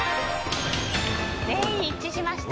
全員一致しました。